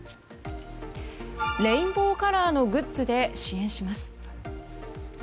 レインボーカラーのグッズで支援します。